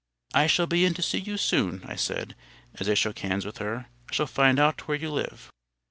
"I shall be in to see you soon," I said, as I shook hands with her. "I shall find out where you live."